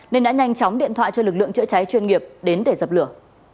nên đã nhanh chóng điện thoại cho lực lượng chữa cháy chuyên nghiệp đến để dập lửa